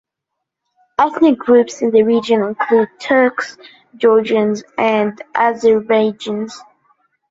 Ethnic groups in the region include, Turks, Georgians and Azerbaijanis.